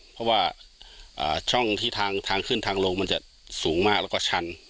เพราะว่าช่องที่ทางขึ้นทางลงมันจะสูงมากแล้วก็ชัน